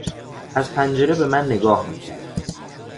از پنجره به من نگاه میکرد.